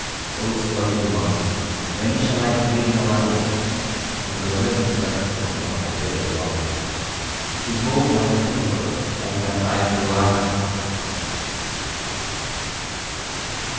Oh sluggard monk! when shall I glean aright From the living spectacle of my bitter lot, To mold my handywork and mine eyes' Delight?